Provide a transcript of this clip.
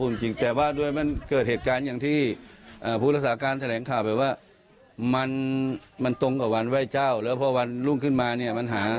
แล้วพอวันรุ่งขึ้นมาเนี่ย